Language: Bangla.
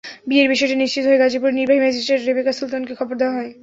বিয়ের বিষয়টি নিশ্চিত হয়ে গাজীপুরের নির্বাহী ম্যাজিস্ট্রেট রেবেকা সুলতানাকে খবর দেওয়া হয়।